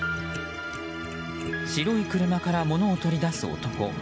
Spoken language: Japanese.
白い車から物を取り出す男。